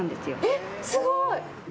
えっ、すごい！